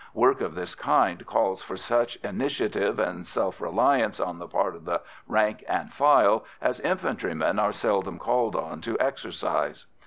Work of this kind calls for such initiative and self reliance on the part of the rank and file as infantrymen are seldom called on to exercise.